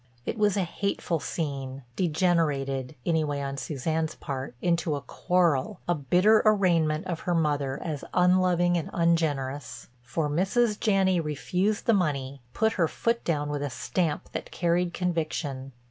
It was a hateful scene, degenerated—anyway on Suzanne's part—into a quarrel, a bitter arraignment of her mother as unloving and ungenerous. For Mrs. Janney refused the money, put her foot down with a stamp that carried conviction.